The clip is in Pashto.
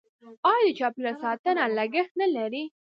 آیا د چاپیریال ساتنه لګښت نلري؟